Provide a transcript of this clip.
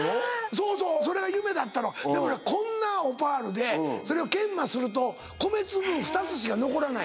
そうそうそれが夢だったのでもねこんなオパールでそれを研磨すると米粒２つしか残らない。